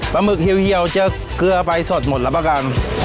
ปลาหมึกเฮียวเจอเกลือไปสดหมดละประกัน